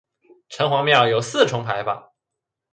城隍庙有四重牌坊。